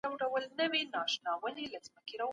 ډېر کوښښ د څېړنې برخه ګڼل کېږي.